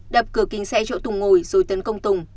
đập cửa kính xe chỗ tùng ngồi rồi tấn công tùng